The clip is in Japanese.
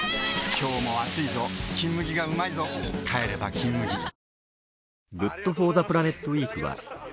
今日も暑いぞ「金麦」がうまいぞ帰れば「金麦」お！